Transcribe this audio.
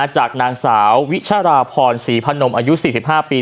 จากนางสาววิชราพรศรีพนมอายุ๔๕ปี